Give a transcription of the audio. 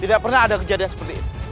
tidak pernah ada kejadian seperti itu